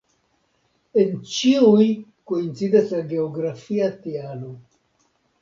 En ĉiuj koincidas la geografia tialo.